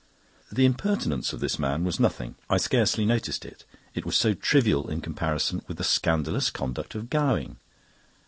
The impertinence of this man was nothing. I scarcely noticed it, it was so trivial in comparison with the scandalous conduct of Gowing.